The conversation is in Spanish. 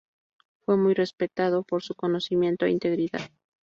Fue muy respetado por su conocimiento e integridad.